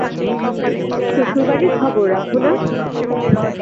শ্বশুরবাড়ির খবর রাখ না?